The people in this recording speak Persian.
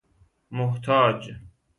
محتاج